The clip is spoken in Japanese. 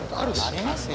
ありますよ。